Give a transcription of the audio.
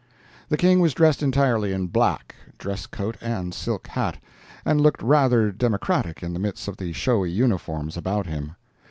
The King was dressed entirely in black—dress coat and silk hat—and looked rather democratic in the midst of the showy uniforms about him.